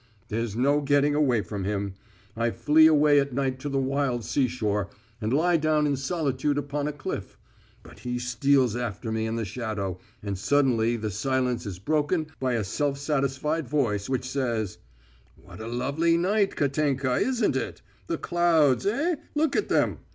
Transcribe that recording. There's no getting away from him. I flee away at night to the wild seashore, and lie down in solitude upon a cliff, but he steals after me in the shadow, and suddenly the silencers broken by a self satisfied voice which says: "What a lovely night, Katenka, isn't it? The clouds, eh, look at them!